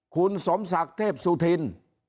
คุณสมศักดิ์เทพสุธิน